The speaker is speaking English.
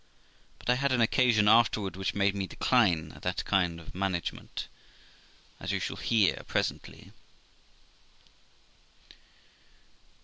But I had an occasion afterwards which made me decline that kind of management, as you shall hear presently.